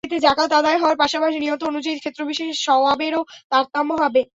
এতে জাকাত আদায় হওয়ার পাশাপাশি নিয়ত অনুযায়ী ক্ষেত্রবিশেষে সওয়াবেরও তারতম্য হবে।